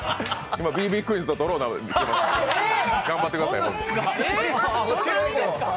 今、Ｂ．Ｂ．クィーンズとドローですから、頑張ってください。